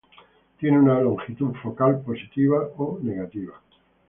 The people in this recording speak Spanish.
Tiene una longitud focal positiva o negativa.